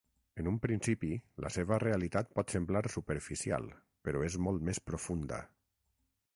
En un principi, la seva realitat pot semblar superficial, però és molt més profunda.